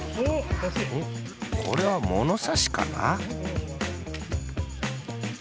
これはものさしかな？